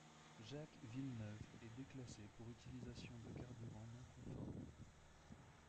Jacques Villeneuve est déclassé pour utilisation de carburant non conforme.